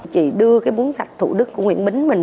chị đưa cái vốn sạch thủ đức của nguyễn bính mình